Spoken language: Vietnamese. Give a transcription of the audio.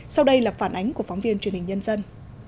sau đây là phản ánh của phóng viên truyền hình nhân dân